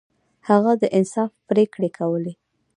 هغه د انصاف پریکړې کولې.